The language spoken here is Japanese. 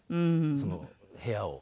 その部屋を。